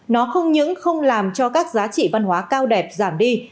nó không những không làm cho các giá trị văn hóa cao đẹp giảm đi